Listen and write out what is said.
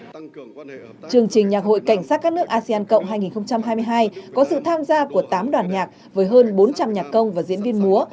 chương trình nhạc hội cảnh sát các nước asean cộng hai nghìn hai mươi hai có sự tham gia của tám đoàn nhạc với hơn bốn trăm linh nhạc công và diễn viên múa